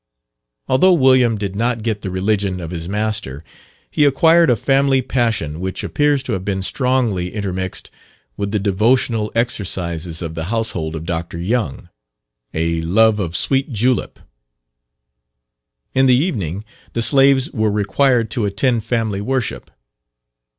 Although William did not get the religion of his master, he acquired a family passion which appears to have been strongly intermixed with the devotional exercises of the household of Dr. Young a love of sweet julep. In the evening, the slaves were required to attend family worship.